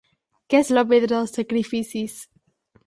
Què és la Pedra dels Sacrificis?